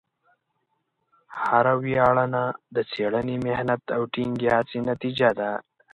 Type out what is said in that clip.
هره ویاړنه د څېړنې، محنت، او ټینګې هڅې نتیجه ده.